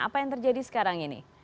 apa yang terjadi sekarang ini